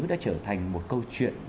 đã trở thành một câu chuyện